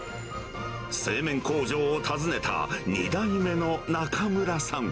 製麺工場を訪ねた２代目の中村さん。